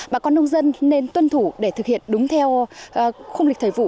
bà con nông dân nên tuân thủ để thực hiện đúng theo khung lịch thời vụ